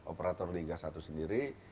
operator liga satu sendiri